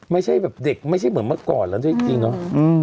ไม่ใช่แบบเด็กไม่ใช่เหมือนเมื่อก่อนแล้วด้วยจริงเนาะ